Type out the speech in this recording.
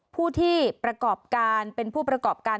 ผู้ที่เป็นผู้ประกอบการ